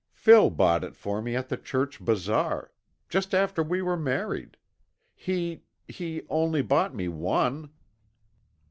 "Phil bought it for me at the church bazaar just after we were married. He he only bought me one."